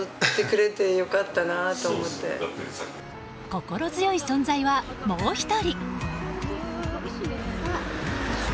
心強い存在はもう１人。